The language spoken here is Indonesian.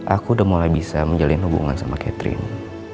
aku udah mulai bisa menjalin hubungan sama catherine